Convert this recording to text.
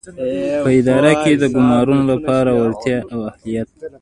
په اداره کې د ګومارنو لپاره وړتیا او اهلیت.